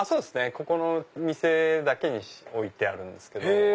ここの店だけに置いてあるんですけど。